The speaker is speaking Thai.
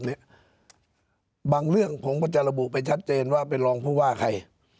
บางเรื่องผมก็จะระบุไปชัดเจนว่าเป็นรองผู้ว่าใคร